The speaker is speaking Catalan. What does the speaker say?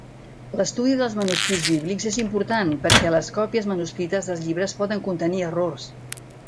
L'estudi dels manuscrits bíblics és important perquè les còpies manuscrites dels llibres poden contenir errors.